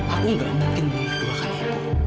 aku gak mungkin mengiklankan ibu